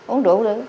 uống rượu rồi